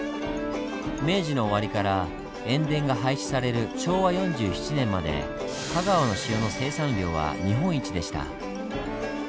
明治の終わりから塩田が廃止される昭和４７年まで香川の塩の生産量は日本一でした。